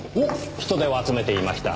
人手を集めていました。